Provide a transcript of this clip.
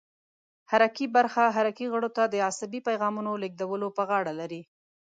حرکي برخه حرکي غړو ته د عصبي پیغامونو لېږدولو په غاړه لري.